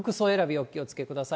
お気をつけください。